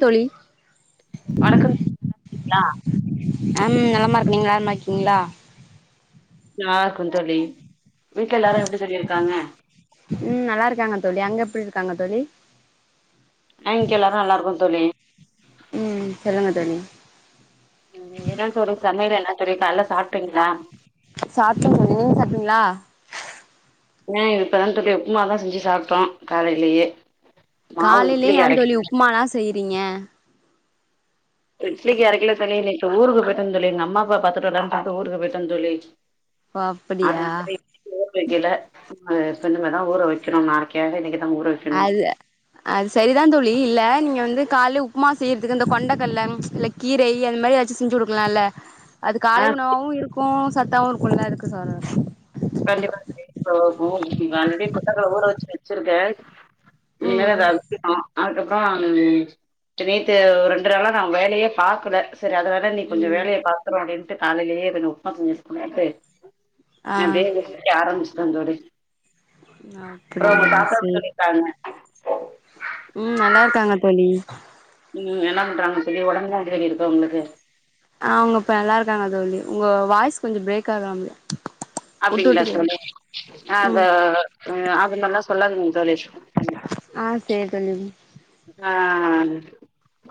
தோழி வணக்கம் தோழியா அ நலமா இருக்கே நீங்க நலமா இருக்கிங்ளா நல்லாருக்கோ தோழி வீட்ல எல்லாரு எப்டி தோழி இருக்காங்க ம் நல்லா இருக்காங்க தோழி, அங்க எப்டி இருக்காங்க தோழி ஆ இங்க எல்லாரு நல்லா இருக்கோ தோழி ம் சொல்லுங்க தோழி ம் என்ன தோழி சமையல் என்ன தோழி காலைல சாப்ட்டீங்ளா சாப்ட்டே தோழி நீங்க சாப்ட்டீங்களா ஆ இப்பதா தோழி உப்புமாதா செஞ்சு சாப்ட்டோ காலையிலேயே காலையிலயே ஏ தோழி உப்புமாலா செய் றீங்க இட்லிக்கு அரைக்கல தோழி இன்னைக்கி ஊருக்கு போயிட்டோ தோழி எங்க அம்மா அப்பா பாத்துட்டு வரலானு சொல்ட்டு ஊருக்கு போயிட்டோ தோழி ஓ அப்படியா அதனால இட்லிக்கு ஊற வைக்கல ஆ இப்ப இனிமேதா ஊற வக்கணு நாளைக்காக இன்னைக்கு அது அது செரிதா தோழி இல்ல நீங்க வந்து கால்லேயே உப்புமா செய்றதுக்கு இந்த கொண்டக்கல்ல இல்ல கீரை அந்த மாரி ஏதாச்சு செஞ்சு குடுக்கலா இல்ல அது ஆ காலை உணவாவு இருக்கு சத்தாவு இருக்குல்ல அதுக்கு சொல்லவர கண்டிப்பா தோழி இப்போ மு ஆல்ரெடி கொண்டக்கல்ல ஊற வெச்சு வெச்சிருக்கே இனிமேதா ம் அத அவிக்கணு அதுக்கப் றோ நேத்து ரெண்டு நாளா நா வேலயே பாக்கல செரி அதனால இன்னைக்கி கொஞ்சோ ம் வேலய பாத்துருவோ அப்டின் ட்டு காலைலயே ரெனு உப்புமா செஞ்சு குடுத்துட்டு ஆ அப்டியே இத தூக்கி ஆரம்பிச் ட்ட தோழி அப்றோ உங்க அப்படியா தாதா எப்டி சேரி தோழி இருக்காங்க ம் நல்லா இருக்காங்க தோழி ம் என்ன பண்றாங்க தோழி, ஒடம்புலா எப்டி தோழி இருக்கு அவங்களுக்கு ஆ அவங்க இப்ப நல்லா இருக்காங்க தோழி உங்க வாய்ஸ் கொஞ்சோ பிரேக் ஆகறமாரி அப்டிங்ளா தோழி, அது ம் ம் அதுமாரிலா சொல்லாதிங்க தோழி ஆ சேரி தோழி ஆ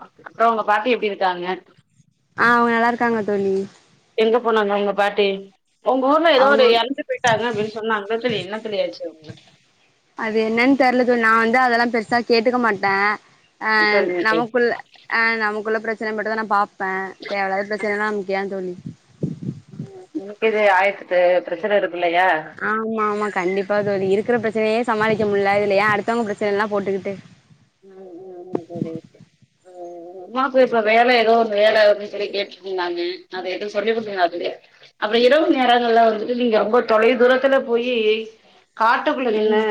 அப்றோ உங்க பாட்டி எப்டி இருக்காங்க? ஆ அவங்க நல்லா இருக்காங்க தோழி எங்க போனாங்க உங்க பாட்டி உங்க ஊர்ல ஏதோ அவங்க ஒரு எறந்து போயிட்டாங்க அப்டின்னு சொன்னாங்கலே தோழி, என்ன தோழி ஆச்சு அவங்களுக்கு இது நா வந்து அதெல்லா பெருசா கேட்டுக்க மாட்ட அ சரிங்க தோழி நமக்குள்ள ஆ நமக்குள்ள பிரச் சின மட்டுந்தா நா பா ப்ப தேவயில்லாத பிரச்சனைலா ஏந் தோழி எனக்கு இது ஆயரத்தெட்டு பிரஷர் இருக் ஆமா ஆமா கண்டிப்பா தோழி இருக்கற பிர ச்சனையே சமாளிக்க முடில இதுல ஏ அடுத்தவங்க பிரச்சனை எல்லா போட்டுகிட்டு ம் ம் ம் தோழி உங்கம்மாக்கு இப்ப வேல ஏதோ ஒரு வேல வேணு சொல்லி கேட்டுட்ருந்தாங்க அத எது சொல்லி குடுத்தங்க அதுலே அப்புற இரவு நேரங்கள்ல வந்துட்டு நீங்க ரொம்ப தொலை தூரத்துல போயி காட்டுக்குள்ள நின்னு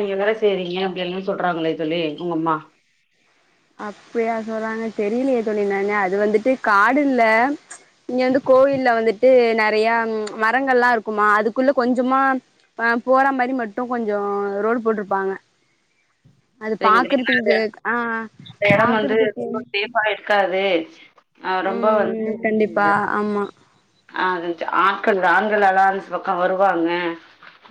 நீங்க வேல செய்றிங்க அப்டி எல்லா சொல்றாங்களே தோழி உங்க அம்மா அப்படியா சொல்றாங்க தெரிலையே தோழி நானு அது வந்துட்டு காடில்ல இங்க வந்து கோயில்ல வந்துட்டு நெறையா மரங்கள்லா இருக்குமா அதுக்குள்ள கொஞ்சமா ஆ போற மாரி மட்டு கொஞ்ச ரோடு போட்ருப்பாங்க அது ஏன்னா அது பாக்குறதுக்கு ஆ அந்த எடம் வந்து பாக்குறதுக்கு ரொம்ப சேஃபா இருக்காது ஆ ரொம்ப ம் வந்து கண்டிப்பா ஆமா ஆ ச ஆட்கள் ஆண்கள் எல்லா அந்த பக்க வருவாங்க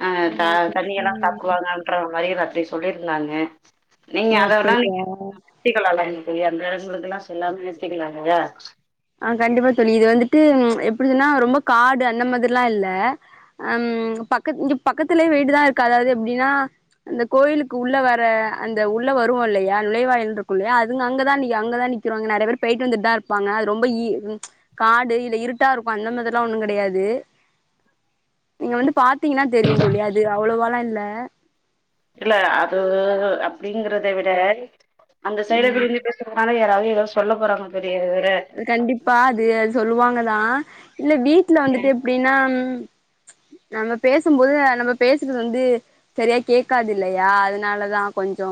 அ த ஆமா ஆமா தண்ணி எல்லா ம் சாப்டுவங்கன்ற மாரி எதா பேசி சொல்லிருந்தாங்க நீங்க ஓ அதெல்லா நீங்க அப்படியா நிறுத்திக்கலால அந்த எடங்களுக்கு எல்லா செல்லாம நிறுத்திக்கலா இல்லையா ஆ கண்டிப்பா தோழி இது வந்துட்டு எப்படின்னா ரொம்ப காடு அந்த மாதிரிலா இல்ல அம் பக்க இங்க பக்கத்துலயே வீடுதா இருக்கு அதாவுது எப்டின்னா அந்த கோயிலுக்கு உள்ள வர அந்த உள்ள வருவோ இல்லையா நுழைவாயில் இருக்கு இல்லையா அதுங்க அங்கதா அங்கதா நிக்கறாங்க நெறைய பேர் போயிட்டு வந்துட்டுதா இருப்பாங்க ரொம்ப இ காடு இல்ல இருட்டா இருக்கு அந்த மாதிரில்லா ஒன்னு கெடையாது நீங்க வந்து பாத் திங்னா தெரியு தோழி அது அவ்வளவாலா இல்ல இல்ல அது அப்டிங்கறத விட அந்த சைடுல ம் இருந்து பேசறப்பலா யாராவது ஏதோ சொல்ல போறாங்க பெரிய வேற அது கண்டிப்பா அது அது சொல்லுவாங்கதா இல்ல வீட்ல வந்துட்டு எப்டின்னா நம்ம பேசுமாபோது நம்ம பேசுறது வந்து சரியா கேக்காது இல்லையா அதனாலதா கொஞ்சோ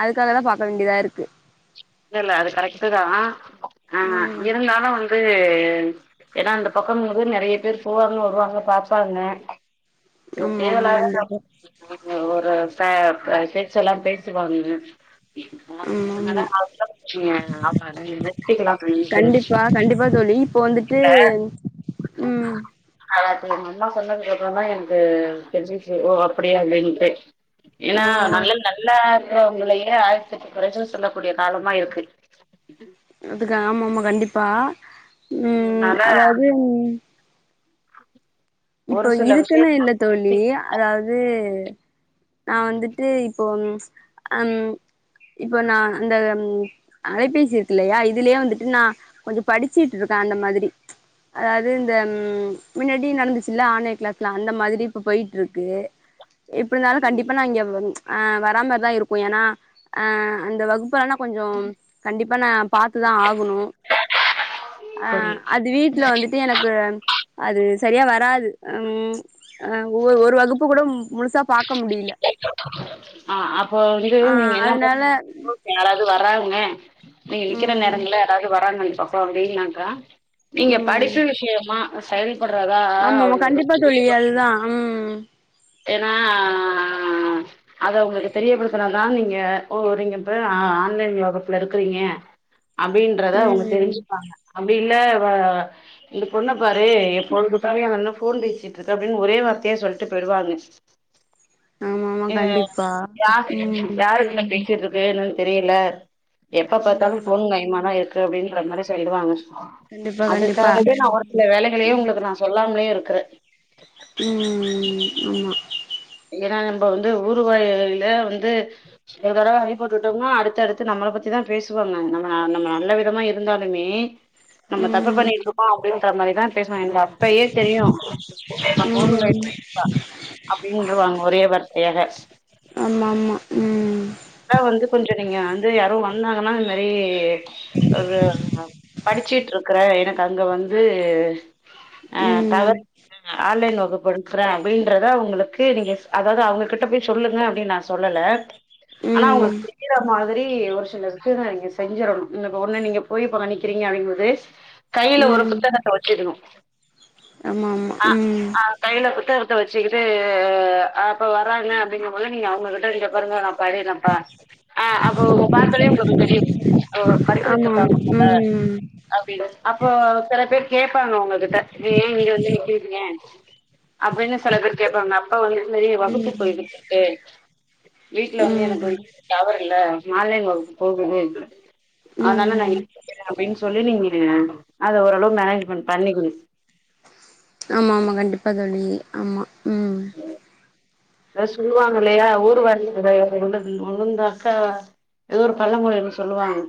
அதுக்காகதா பாக்க வேண்டியதா இருக்கு இல்ல இல்ல அது கரெக்ட்டுதா ஆ ம் இருந்தாலு வந்து ஏனா அந்த பக்கம் வந்து நெறைய பேர் போவாங்க வருவாங்க பாப்பாங்க ஒரு ஆமா ஆமா தேவல்லாத கண்டிப்பா ஒரு ப பேச்செல்லா பேசுவாங்க ஆ ஆமா அதுனால ஆமா அதுதா பிரச்சனையா ஆமா இனி நிறுத்திக்லா நெனைக்கிற கண்டிப்பா கண்டிப்பா தோழி இப்போ வந்துட்டு இல்ல ம் அதா உங்கம்மா சொன்னதுக்கு அப்பறந்தா எனக்கு அது தெரிஞ்சுச்சு ஓ அப்டியா அப்டின்ட்டு ஏனா ஓ நல்ல நல்ல வங்களையே ஆயரத்தெட்டு குறைகள் சொல்லக்கூடிய காலமா இருக்கு அதுக்கு ஆமா ஆமா கண்டிப்பா ம் அதனால அதாது ஒரு இப்போ சில இதுக்குனு இல்ல தோழி விஷயங்கள் அதாவுது நா வந்துட்டு இப்போ அம் இப்ப நா அந்த அலைபேசி இருக்கு இல்லயா இதுலயே வந்துட்டு நா கொஞ்சோ படிச்சிட்டு இருக்க அந்த மாதிரி அதாது இந்த முன்னாடி நடந்துச்சு இல்ல ஆன்லைன் கிளாஸ்லா அந்த மாதிரி இப்ப போயிட்ருக்கு எப்டிருந்தாலு கண்டிப்பா நா இங்க வ ஆ வரா மாரிதா இருக்கு ஏனா அ அந்த வகுப்பெலா நா கொஞ்சோ கண்டிப்பா நா பாத்துதா ஆகணு அ சரி அது வீட்ல வந்துட்டு எனக்கு அது சரியா வராது ம் ஒரு ஒரு வகுப்பு கூட முழுசா பாக்க முடில ஆஹ் அப் போ வந்து நீங்க என்ன அதனால பண்ணுனா சப்போஸ் யாராவது வராங்க அ நீங்க நிக்ற ம் நேரங்கல்ல யாராவது வராங்க சோ அப்டினாக்கா நீங்க படிச்ச விஷயமா சரி ஆமா ஆமா கண்டிப்பா தோழி அதுதா உம் ஏன்னா அத அவங்களுக்கு தெரியப்படுத்தினாதா நீங்க ஒ நீங்க போய் ஆன்லைன் வகுப்புல இருக்குறீங்க அப்படின்றத அவங்க ம் தெரிஞ்சுப்பாங்க அப்படி இல்ல ப இந்த பொண்ண பாரு எப்பொ பாத்தாலு போன் பேசிட்டு இருக்கு அப்டின்னு ஒரே வார்த்தையா சொல்ட்டு வருவாங்க ஆமாமா அஹ் கண்டிப்பா யா ம் யாருகிட்ட பேசிட் வேணுனு தெரியல எப்ப பாத்தாலு ம் போன் கையுமா தா இருக் இருக்கு அப்படின்ற மாரி சொல்லுவாங்க கண்டிப்பா கண்டிப்பா அதுக்காகவே நா ஒரு சில வேலைகளயு உங்களுக்கு நா சொல்லாமலே இருக் க்றே ஆமா ஏன்னா நம்ம வந்து ஊர்வாயில வந்து எவ தடவ அடி பட்டுட்டோம்னா அடுத்து அடுத்து நம்மள பத்திதா பேசுவாங்க நம்ம நம்ம நல்ல விதமா இருந்தாலுமே நம்ம தப்பு பண்ணிட்ருக்கோ அப்படின்ற மாரிதா பேசுவ எனக் அப்பையே தெரியு [unintelligible] அப்டின்ருவாங்க ஒரே வார்த்தையாக ஆமா ம் அதா வந்து கொஞ்சம் நீங்க வந்து யாரு வந்தாங்கன்னா அது மாரி ஆ படிச்சுட்டு இருக்றே எனக்கு அங்க வந்து ம் ஆமாமா ம் அஹ் ம் டவர் ஆன்லைன் வகுப்பு எடு றே அப்படின்றத அவங்களுக்கு நீங்க அதாவது அவங்ககிட்ட போய் சொல்லுங்க அப்படின் நா சொல்லல ஆனா ம் உங்களுக் [unintelligible] மாரி ஒரு சிலருக்குதா நீங்க செஞ்சிடணு இ ஒன்னு நீங்க போய் இப்ப நிக்கிறீங்க அப்டிங்போது கையில ஒரு ம் புத்தகத்த வச்சுக்கணு ஆமாமா ஆஹ் ம் ஆஹ் கையில புத்தகத்த வச்சு டு அ இப்ப வராங்க அப்படிங்கம் போது நீங்க உங்க கிட்ட இங்க பாருங்க நா படி அஹ ஆஹ் அப்போ உங்க பாத்தாலே உங்களுக்கு தெரியு படிச்சுட்டு இருக்காங்க ஆமாமா போல ம் அப்படின்னு அப்போ சில பேர் கேப்பாங்க உங்ககிட்ட நீ ஏ இங்க வந்து இப்டி இருக்கிங்க அப்படின்னு செல பேர் கேப்பாங்க அப்பா வந்துட்டு நறைய வகுப்பு ம் போய்கிட்டு இருக்கு வீட்டுல வந்து எனக்கு ம் டவர் இல்ல ஆன்லைன் வகுப்பு போகுது அதனால நா ம் [inaudible] அப்படின்னு சொல்லி நீங்க அத ஓரளவு மேனேஜ் பண்ட்ட தண்ணி குடி ஆமா ஆமா கண்டிப்பா தோழி ஆமா ம் ஹ ஏது சொல்லுவாங்க இல்லையா ஊர்வா [unintelligible] உழுந்தாக்கா ஏதோ ஒரு பழமொழி ஒன்னு சொல்லுவாங்க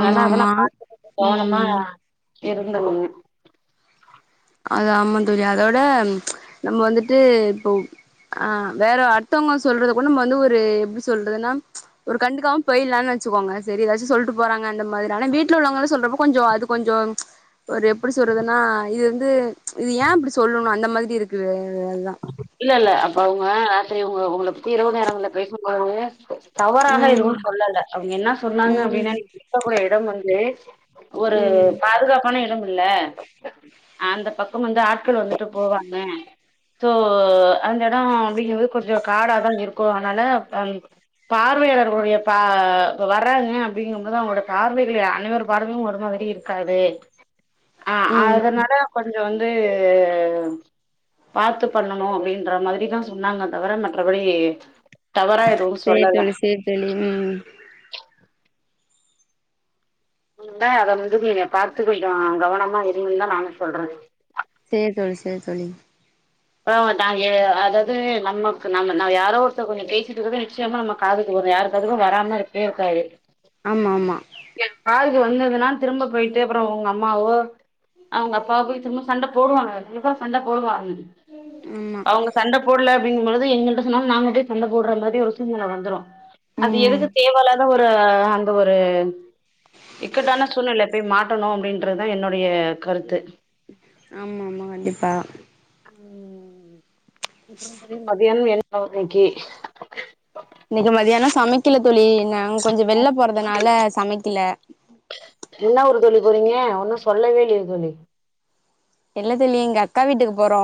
ஆமா அதெல்லா ஆமா பாத்துகிட்டு கவனமா ம் இருந்தவங்க அது ஆமா தோழி அதோட நம்ம வந்துட்டு இப்போ ஆ வேற அடுத்தவங்க சொல்றது கூட நம்ம வந்து ஒரு எப்டி சொல்றதுன்னா ஒரு கண்டுக்காம போயிலான்னு வச்சுக்கோங்க சரி எதாச்சும் சொல்ட்டு போறாங்க அந்த மாதிரி ஆனா வீட்ல உள்ளவங்களே சொல்றப்போ கொஞ்ச அது கொஞ்ச ஒரு எப்டி சொல்றதுன்னா இது இது இது ஏ அப்டி சொல்லணு அந்த மாதிரி இருக்கு அதுதா இல்ல இல்ல அப்ப அவுங்க யு உங்க உங்கள பத்தி இரவு நேரங்கள்ல பேசும்போது தவறாக எதுவு ம் சொல்லல அவங்க என்ன சொன்னாங்க அப்டின்னா ம் நீ இருக்கக்கூட எடம் வந்து ஒரு ம் பாதுகாப்பான இடம் இல்ல அந்த பக்கம் வந்து ஆட்கள் வந்துட்டு போவாங்க சோ அந்த எடம் அப்டிங்க போது கொஞ்சம் காடாதா இருக்கு அதனால அந் பார்வையாளர்களுடைய பா வறாங்க அப்டிங்கும்போது அவங்களோட பார்வைகளே அனைவர் பார்வையு ஒரு மாதிரி இருக்காது ஆஹ் ம் அதனால கொஞ் ச வந்து பாத்து பண்ணணு அப்படின்ற மாதிரிதா சொன்னாங்க தவிர மற்றபடி தவறா எதுவு சேரி சொல்லல தோழி சேரி தோழி உம் க அத வந்து நீங்க பாத்து கொஞ்ச கவனமா இருங்கன்னு தா நானு சொல்ற சேரி தோழி சேரி தோழி நாங்க அதாது நமக்கு நம்ம ந யாரோ ஒருத்த கொஞ்சம் பேசிட்டு இருக்கறது நிச்சயமா நம்ம காதுக்கு வரு யாரு அதுவும் வராம இருக்கவே இருக்காது ஆமா ஆமா என் காதுக்கு வந்ததுன்னா திரும்ப போயிட்டு அப்புறம் உங்க அம்மாவோ அவங்க அப்பாவோ போய் திரும்ப சண்ட போடுவாங்க கண்டிப்பா சண்ட போடுவாங்க ஆமா அவங்க சண்ட போடல அப்டிங்க பொழுது எங்கள்ட்ட சொன்னா நாங்க போய் சண்ட போடுற மாதிரி ஒரு சூழ்நில வந்துரும் அது ம் எதுக்கு தேவ இல்லாதா ஒரு தா அந்த ஒரு இக்கட்டான சூழ்நிலை போய் மாட்டணு அப்டின்றதுதா என்னுடைய கருத்து ஆமா ஆமா கண்டிப்பா உம் அப்புறம் தோழி மதியானம் என் அவர் இன்னக்கி இன்னைக்கு மதியான சமைக்கில தோழி நாங்க கொஞ்சம் வெளில போறதுனால சமைக் கில என்ன ஊர் தோழி போறீங்க ஒன்னு சொல்லவே இல்லயே தோழி இல்ல தோழி எங்க அக்கா வீட்டுக்கு போறோ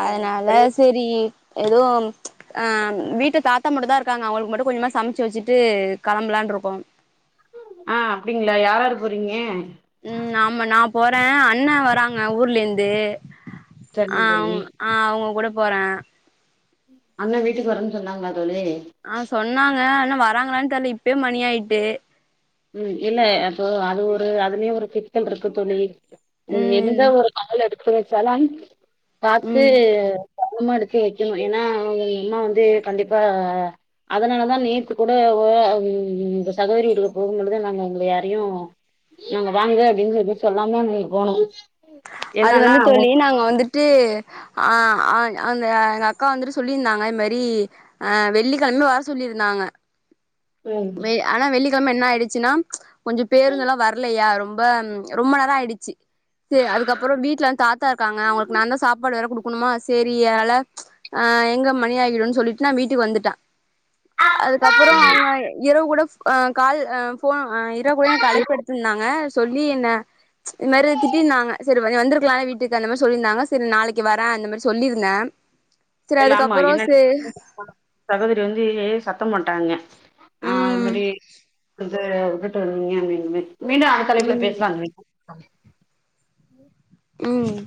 ம் சரிங்க செரி எதுவும் ஆஹ் வீட்டு தாத்தா மட்டு தா இருக்காங்க அவுங்களுக்கு மட்டு கொஞ்சமா சமச்சு வெச்சுட்டு களம்பலான்ட்ருக்கோ ஆஹ் அப்டிங்களா யார் யாரு போறீங்க ம் ஆமா நா போறே அண்ண வராங்க ஊர்லேருந்து சரிங்க ஆஹ் தோழி அவுங்க ஆஹ் அவுங்க கூட போறே அண்ண வீட்டுக்கு வரன்னு சொன்னாங்களா தோழி ஆஹ் சொன்னாங்க ஆனா வராங்களான்னு தெரில இப்பே மணி ஆயிட்டு உம் இல்ல அப்போ அது ஒரு அதுலயே ஒரு சிக்கல் இருக்கு தோழி உ எந்த ம் ஒரு கால் எடு வெச்சாலு பாத்து ம் மா எடுத்து வெக்கணு ஏன்னா உங்க அம்மா வந்து கண்டிப்பா அதனாலதா நேத்து கூட ஒ உங்க சகோதரி வீட்டுக்கு போகும்போளுது நாங்க எங்களை யாரையு நாங்க வாங்க அப்டின்னு எதுவு சொல்லாமா அங்க போனோ அது என்னன்னா வந்து சொல்லி நாங்க வந்துட்டு ஆ ஆ அந்த எங்க அக்கா வந்துட்டு சொல்லியிருந்தாங்க இது மாரி ஆஹ் வெள்ளிக்கெழமையு வர சொல்லியிருந்தாங்க ம் ம். மே ஆனா வெள்ளி கெழம என்ன ஆயிடுச்சுன்னா கொஞ்சோ பேருங்கல்லா வரலயா ரொம் ம்ப ரொம்ப நேரோ ஆயிடுச்சு அதுக்கப்புறோ வீட்டுல வந்து தாத்தா இருக்காங்க அவுங்களுக்கு நா தா சாப்பாடு வேற குடுக்கணுமா சரி அதால ஆஹ் எங்க மணி ஆகிடுன்னு சொல்லிட்டு நா வீட்டுக்கு வந்துட்டே அதுக்கப்புறோ அவங்க [unintelligible] கூட அ கால் அ ஃபோ ஆஹ் இரகுல்ல கழப்பு எடுத்துருந்தாங்க சொல்லி என்ன இந் மேரி திட்டிருந்தாங்க செரி [unintelligible] வந்துருக்கலால்லா வீட்டுக்கு அந்த மாரி சொல்லியிருந்தாங்க செரி நாளைக்கு வரே அந்த மாரி சொல்லியிருந்தே சரி இல்ல ஆமா அதுக்கப்புறோ என்ன சே சகோதரி வந்து சத்த மாட்டாங்க ஆஹ் அது ம் மாரி வந்து உட்டுட்டு வருவீங்க [unintelligible] மீண்டு அந்த தலைப்புல ம் பேசுலான்றிங்க [inaudible] உம்